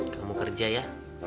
kamu kerja ya